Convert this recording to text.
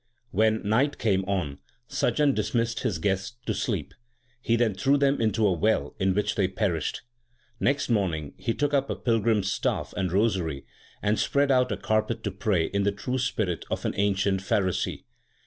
When night came on, Sajjan dismissed his guests to sleep. He then threw them into a well in which they perished. Next morning he took up a pilgrim s staff and rosary, and spread out a carpet to pray in the true spirit of an ancient Pharisee.